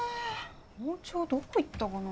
包丁どこいったかな。